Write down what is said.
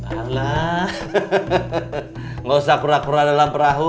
alah nggak usah pura pura dalam perahu